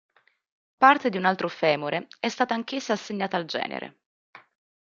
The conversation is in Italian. Parte di un altro femore è stata anch'essa assegnata al genere.